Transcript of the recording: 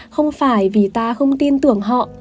không phải vì ta không tin tưởng họ